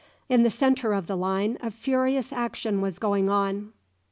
In the centre of the line a furious action was going on.